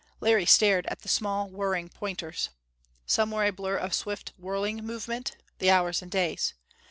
Larry stared at the small whirring pointers. Some were a blur of swift whirling movement the hours and days.